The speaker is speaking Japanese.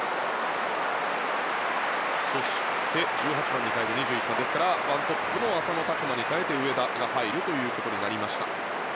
そして１８番に代えて２１番ですから１トップの浅野に代えて上田が入ることになりました。